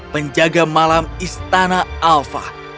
penjaga malam istana alfa